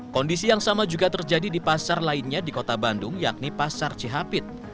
kondisi yang sama juga terjadi di pasar lainnya di kota bandung yakni pasar cihapit